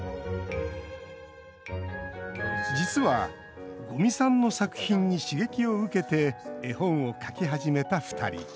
実は、五味さんの作品に刺激を受けて絵本を描き始めた２人。